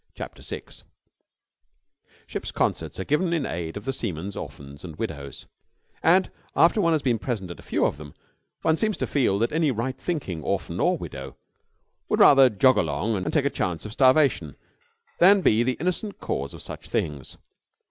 CHAPTER SIX Ship's concerts are given in aid of the seamen's orphans and widows, and, after one has been present at a few of them, one seems to feel that any right thinking orphan or widow would rather jog along and take a chance of starvation than be the innocent cause of such things.